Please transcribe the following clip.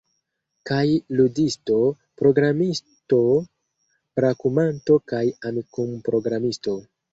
Kaj ludisto, programisto, brakumanto kaj Amikum-programisto